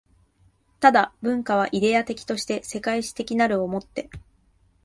但、文化はイデヤ的として世界史的なるを以て